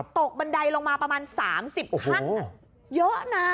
บันไดลงมาประมาณ๓๐ขั้นเยอะนะ